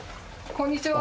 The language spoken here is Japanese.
こんにちは。